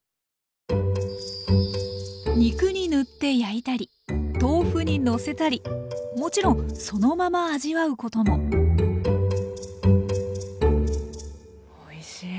肉に塗って焼いたり豆腐にのせたりもちろんそのまま味わうこともおいしい。